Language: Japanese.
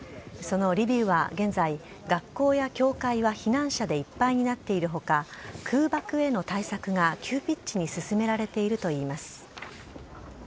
そのリビウは現在、学校や教会は避難者でいっぱいになっているほか、空爆への対策が急ピッチに進められているといいます。